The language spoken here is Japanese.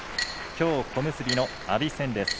きょう小結の阿炎戦です。